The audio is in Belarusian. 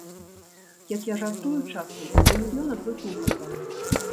Як я жартую часам, да мільёна трохі не хапае.